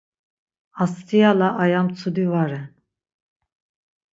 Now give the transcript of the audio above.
Astiala aya mtsudi va ren.